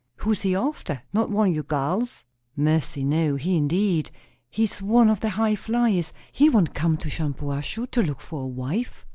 "Who's he after? Not one o' your gals?" "Mercy, no! He, indeed! He's one of the high flyers; he won't come to Shampuashuh to look for a wife.